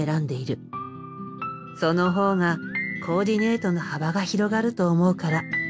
その方がコーディネートの幅が広がると思うから。